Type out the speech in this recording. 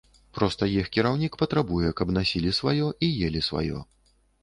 Проста іх кіраўнік патрабуе, каб насілі сваё і елі сваё.